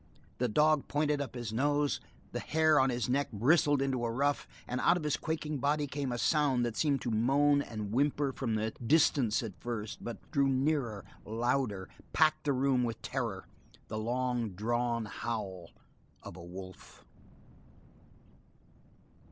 The dog pointed up his nose, the hair about his neck bristled into a ruff, and out of his quaking body came a sound that seemed to moan and whimper from the distance at first, but drew nearer, louder, packed the room with terror, the long drawn howl of a wolf.